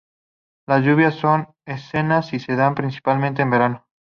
Las lluvias son escasas y se dan principalmente en verano.